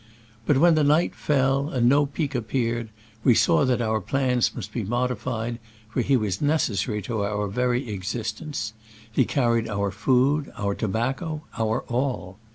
But when the night fell and no Pic ap peared, we saw that our plans must be modified, for he was necessary to our very existence : he carried our food, our tobacco, our all.